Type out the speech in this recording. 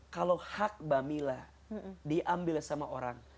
kalau hak bamila diambil sama orang